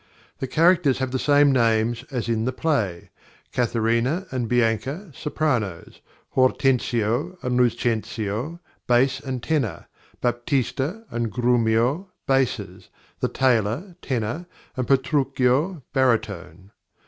The characters have the same names as in the play Katharina and Bianca, sopranos; Hortensio and Lucentio, bass and tenor; Baptista and Grumio, basses; the Tailor, tenor; and Petruchio, baritone.